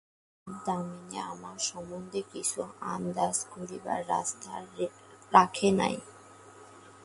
আর, দামিনী আমার সম্বন্ধে কিছু আন্দাজ করিবার রাস্তা রাখে নাই।